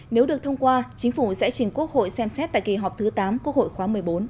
nếu được thông qua chính phủ sẽ trình quốc hội xem xét tại kỳ họp thứ tám quốc hội khóa một mươi bốn